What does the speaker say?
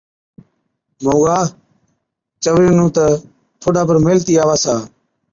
’موڳا، چونئرِي نُون تہ ٺوڏا پر ميهلتِي آوَس ها‘۔